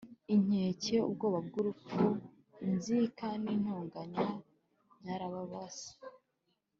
inkeke, ubwoba bw’urupfu, inzika n’intonganya byarababase